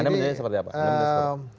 anda menurut anda seperti apa